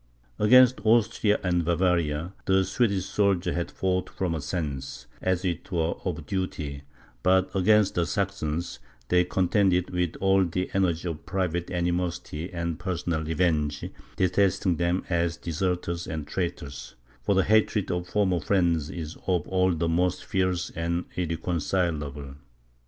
Against Austria and Bavaria, the Swedish soldier had fought from a sense, as it were, of duty; but against the Saxons, they contended with all the energy of private animosity and personal revenge, detesting them as deserters and traitors; for the hatred of former friends is of all the most fierce and irreconcileable.